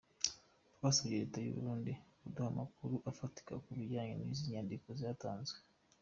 Twasabye Leta y’u Burundi kuduha amakuru afatika ku bijyanye n’izi nyandiko zatanzwe.